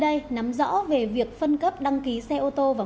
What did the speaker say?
cái việc đăng ký xe máy